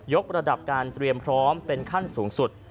กระดับการเตรียมพร้อมเป็นขั้นสูงสุด